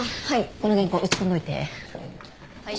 この原稿打ち込んどいて。はい。